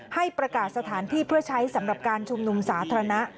ให้ประกาศสถานที่เพื่อใช้สำหรับการชุมนุมสาธารณะ